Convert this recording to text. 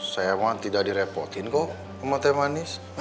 saya emang tidak direpotin kok emang teh manis